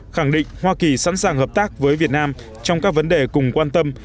khẳng định hoa kỳ sẵn sàng hợp tác với việt nam trong các vấn đề cùng quan tâm